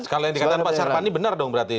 sekalian dikatakan pak syarpan ini benar dong berarti